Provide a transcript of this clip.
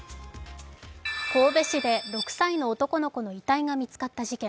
神戸市で６歳の男の子の遺体が見つかった事件。